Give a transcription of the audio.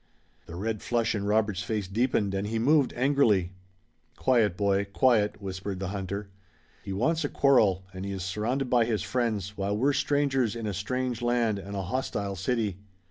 The red flush in Robert's face deepened and he moved angrily. "Quiet, boy! Quiet!" whispered the hunter. "He wants a quarrel, and he is surrounded by his friends, while we're strangers in a strange land and a hostile city.